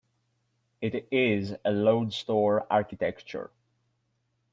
It is a load-store architecture.